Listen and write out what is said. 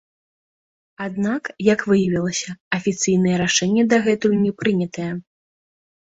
Аднак, як выявілася, афіцыйнае рашэнне дагэтуль не прынятае.